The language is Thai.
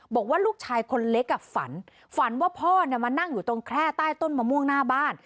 บอกว่าลูกชายคนเล็กฝันฝันว่าพ่อมานั่งอยู่ตรงแคร่ใต้ต้นมะม่วงหน้าบ้าน